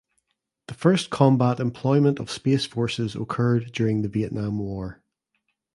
The first combat employment of space forces occurred during the Vietnam War.